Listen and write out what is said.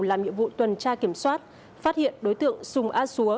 làm nhiệm vụ tuần tra kiểm soát phát hiện đối tượng sùng át súa